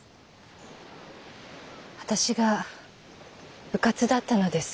私がうかつだったのです。